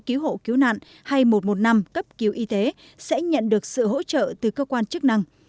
cứu hộ cứu nạn hay một trăm một mươi năm cấp cứu y tế sẽ nhận được sự hỗ trợ từ cơ quan chức năng